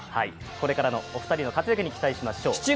これからのお二人の活躍に期待しましょう。